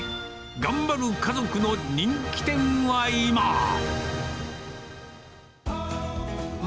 頑張る家族の人気店はいま。